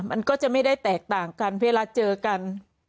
มันก็จะไม่ได้แตกต่างกันเวลาเจอกัน